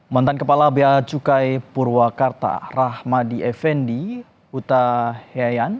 mantan kepala bia cukai purwakarta rahmadi effendi uta heian